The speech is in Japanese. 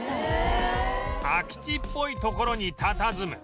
空き地っぽい所にたたずむ